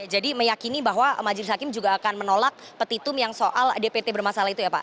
jadi meyakini bahwa majelis hakim juga akan menolak petitum yang soal dpt bermasalah itu ya pak